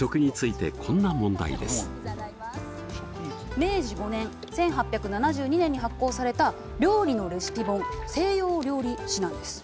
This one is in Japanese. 明治５年１８７２年に発行された料理のレシピ本「西洋料理指南」です。